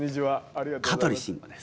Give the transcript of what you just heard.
香取慎吾です。